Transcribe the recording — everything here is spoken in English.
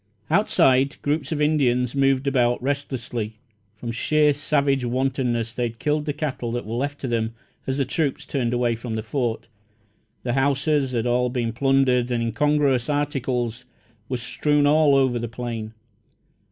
Outside, groups of Indians moved about restlessly. From sheer savage wantonness they had killed the cattle that were left to them, as the troops turned away from the Fort. The houses had all been plundered, and incongruous articles were strewn all over the plain.